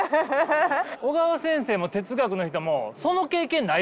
小川先生も哲学の人もその経験ないからな。